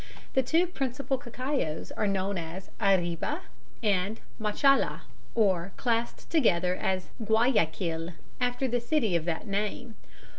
The two principal cacaos are known as Arriba and Machala, or classed together as Guayaquil after the city of that name.